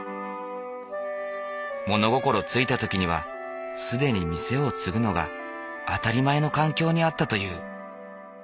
物心付いた時には既に店を継ぐのが当たり前の環境にあったという。